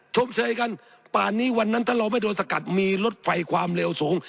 ชบเชยกันป่านนี้วันนั้นถ้าเราไม่โดนสกัดมีรถไฟความเร็วสูง